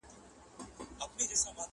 مُلا وویله خدای مي نګهبان دی؛